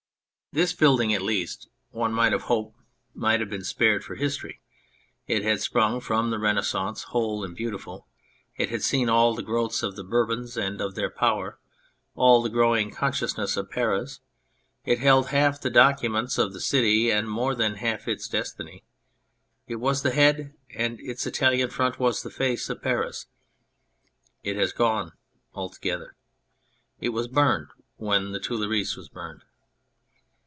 This building at 86 On the Sites of the Revolution least (one might have hoped) might have been spared for history. It had sprung from the Renaissance, whole and beautiful. It had seen all the growths of the Bourbons and of their power, all the growing con sciousness of Paris. It held half the documents of the city and more than half its destiny. It was the head, and its Italian front was the face, of Paris. It has gone altogether. It was burned when the Tuileries was burned.